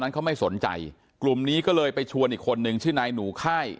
เขาไม่สนใจกลุ่มนี้ก็เลยไปชวนอีกคนนึงชื่อนายหนูค่าย